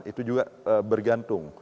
itu juga bergantung